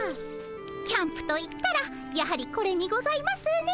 キャンプと言ったらやはりこれにございますね。